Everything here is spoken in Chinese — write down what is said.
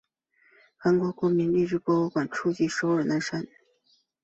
韩国国立民俗博物馆最初建于首尔南山。